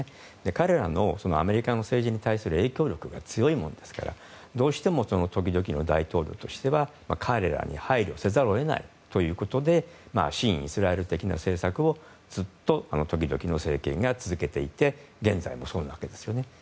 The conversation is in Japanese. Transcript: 彼らのアメリカの政治に対する影響力が強いもんですからどうしても時々の大統領としては彼らに配慮せざるを得ないということで親イスラエル的な政策を時々の政権が続けていて現在もそうなわけです。